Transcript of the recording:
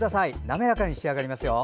滑らかに仕上がりますよ。